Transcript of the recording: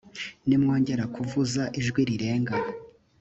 nimwongera kuvuza ijwi rirenga .